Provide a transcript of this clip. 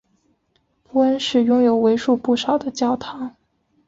波恩市拥有为数不少的教堂。